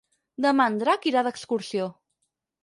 Demà en Drac irà d'excursió.